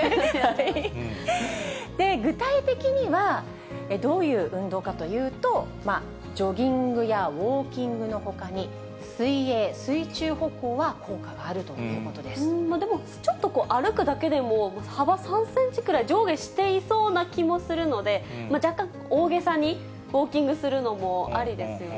具体的にはどういう運動かというと、ジョギングやウォーキングのほかに、水泳、水中歩行は効果があるでも、ちょっと歩くだけでも幅３センチくらい上下していそうな気もするので、若干大げさにウォーキングするのもありですよね。